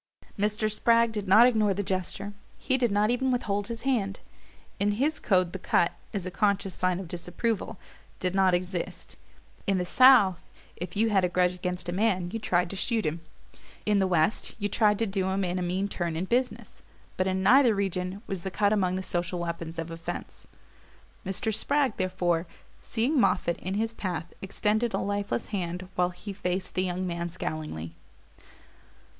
Mr. Spragg did not ignore the gesture: he did not even withhold his hand. In his code the cut, as a conscious sign of disapproval, did not exist. In the south, if you had a grudge against a man you tried to shoot him; in the west, you tried to do him in a mean turn in business; but in neither region was the cut among the social weapons of offense. Mr. Spragg, therefore, seeing Moffatt in his path, extended a lifeless hand while he faced the young man scowlingly.